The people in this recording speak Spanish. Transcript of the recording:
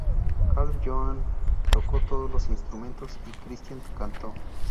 Carl Johan tocó todos los instrumentos y Christian cantó.